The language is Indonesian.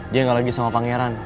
dia nggak lagi sama pangeran